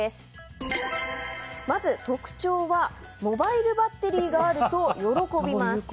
まず特徴はモバイルバッテリーがあると喜びます。